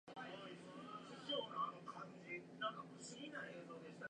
さて、どうしようか。漫画喫茶、カプセルホテル、ビジネスホテル、